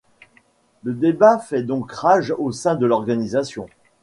Le débat fait donc rage au sein de l’Organisation.